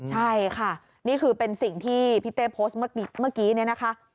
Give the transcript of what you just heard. ใช่ค่ะนี่คือเป็นสิ่งที่พี่เต้โพสต์เมื่อกี้เนี่ยนะคะ